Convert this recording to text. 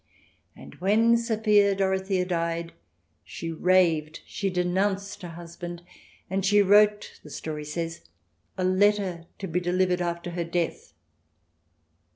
And when Sophia Dorothea died, she raved, she denounced her husband, and she wrote, the story says, a letter to be delivered after her death.